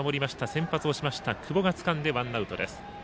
先発をしました久保がつかんでワンアウトです。